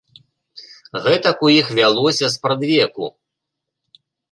Гэтак у іх вялося спрадвеку.